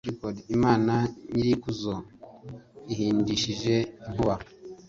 Imana Nyir’ikuzo ihindishije inkuba